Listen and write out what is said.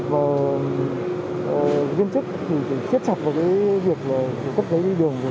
và viên chức thì phải siết chặt cái việc cấp giấy đi đường